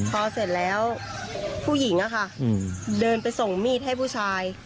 ตอนเสร็จแล้วผู้หญิงไปส่งมีดให้ผู้ชาย